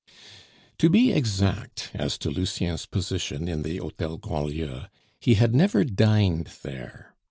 To be exact as to Lucien's position in the Hotel Grandlieu, he had never dined there.